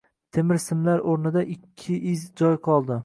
Temir simlar o`rnida ikki iz joy qoldi